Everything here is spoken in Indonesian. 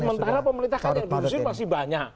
sementara pemerintah kan yang diusir masih banyak